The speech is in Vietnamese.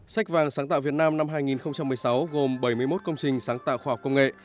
sách vàng sáng tạo việt nam năm hai nghìn một mươi sáu gồm bảy mươi một công trình sáng tạo khoa học công nghệ